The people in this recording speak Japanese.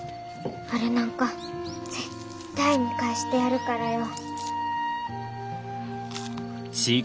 あれなんか絶対見返してやるからよ。